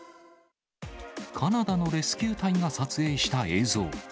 カナダのレスキュー隊が撮影した映像。